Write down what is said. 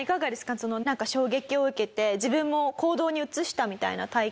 そのなんか衝撃を受けて自分も行動に移したみたいな体験とか。